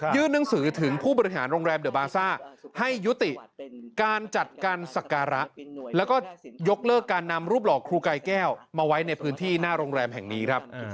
รูปหลอกครูไก้แก้วมาไว้ในพื้นที่หน้าโรงแรมแห่งนี้ครับ